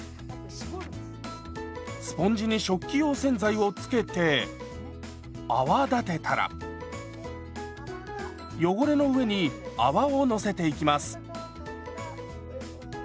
スポンジに食器用洗剤を付けて泡立てたら汚れの上に泡をのせていきます。